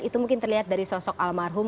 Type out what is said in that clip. itu mungkin terlihat dari sosok almarhum